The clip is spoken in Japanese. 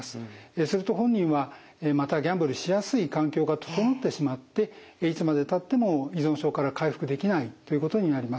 すると本人はまたギャンブルしやすい環境が整ってしまっていつまでたっても依存症から回復できないということになります。